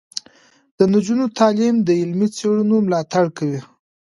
د نجونو تعلیم د علمي څیړنو ملاتړ کوي.